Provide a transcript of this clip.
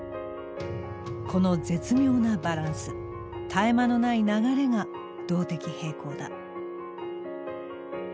この絶妙なバランス絶え間のない流れが動的平衡だ。